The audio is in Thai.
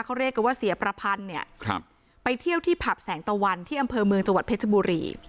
เขาเรียกกันว่าเสียประพันธ์เนี่ยครับไปเที่ยวที่ผับแสงตะวันที่อำเภอเมืองจังหวัดเพชรบุรี